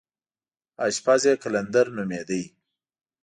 اشپز یې قلندر نومېده.